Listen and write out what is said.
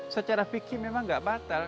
secara fikir memang nggak batal